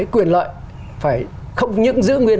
quyền lợi phải không những giữ nguyên